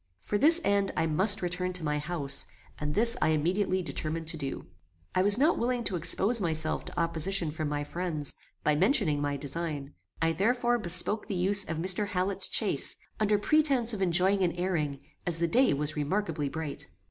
For this end I must return to my house, and this I immediately determined to do. I was not willing to expose myself to opposition from my friends, by mentioning my design; I therefore bespoke the use of Mr. Hallet's chaise, under pretence of enjoying an airing, as the day was remarkably bright.